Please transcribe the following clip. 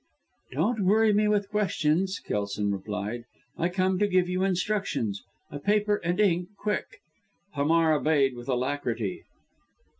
"Don't worry me with questions," Kelson replied. "I have come to give you instructions. A paper and ink, quick." Hamar obeyed with alacrity.